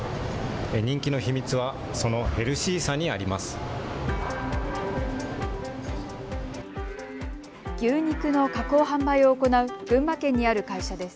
人気の秘密はそのヘルシーさにあります。